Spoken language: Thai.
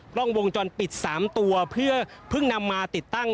กล้องวงจรปิด๓ตัวเพื่อเพิ่งนำมาติดตั้ง